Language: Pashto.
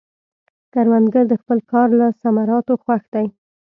کروندګر د خپل کار له ثمراتو خوښ دی